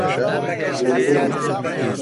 درۆزنم.